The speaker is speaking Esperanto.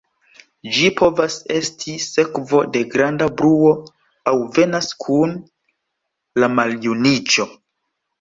Ĝi povas esti sekvo de granda bruo, aŭ venas kun la maljuniĝo.